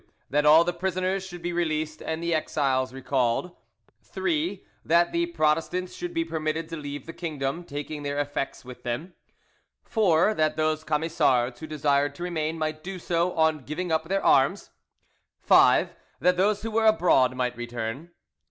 That all the prisoners should be released and the exiles recalled. 3. That the Protestants should be permitted to leave the kingdom, taking their effects with them. 4. That those Camisards who desired to remain might do so, on giving up their arms. 5. That those who were abroad might return.